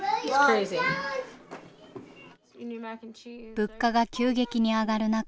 物価が急激に上がる中